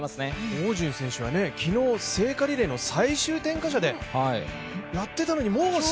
汪順選手は昨日聖火リレーの最終点火者でやっていたのにもう。